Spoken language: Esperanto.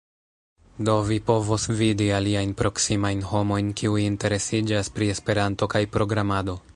Do vi povos vidi aliajn proksimajn homojn kiuj interesiĝas pri Esperanto kaj programado